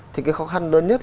thì cái khó khăn lớn nhất